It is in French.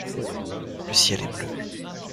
Le ciel est bleu.